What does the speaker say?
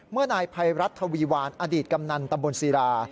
นายภัยรัฐทวีวานอดีตกำนันตำบลศิรา